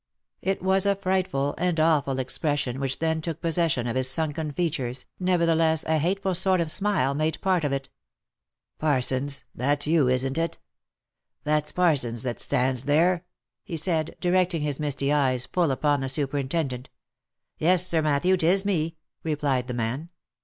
362 THE LIFE AND ADVENTURES It was a frightful and awful expression which then took possession of his sunken features, nevertheless a hateful sort of smile made part of it. "Parsons! that's you, isn't it? That's Parsons that stands there V 9 he said, directing his misty eyes full upon the superinten dent. " Yes, Sir Matthew, 'tis me," replied the man.